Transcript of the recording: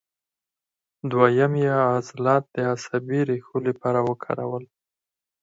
دوهیم یې عضلات د عصبي ریښو لپاره وکارول.